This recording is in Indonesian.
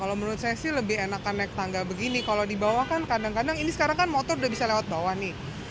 kalau menurut saya sih lebih enak kan naik tangga begini kalau di bawah kan kadang kadang ini sekarang kan motor udah bisa lewat bawah nih